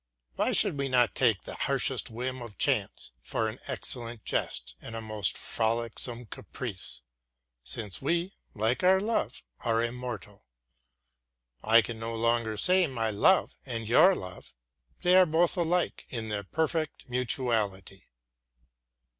Why should we not take the harshest whim of chance for an excellent jest and a most frolicsome caprice, since we, like our love, are immortal? I can no longer say my love and your love; they are both alike in their perfect mutuality.